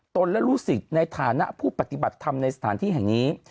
ตนและรู้สิทธิ์ในฐานะผู้ปฏิบัติทำในสถานที่แห่งนี้